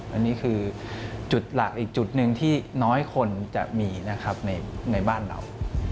อันนี้คือจุดหลักอีกจุดหนึ่งที่น้อยคนจะมีนะครับในบ้านเรา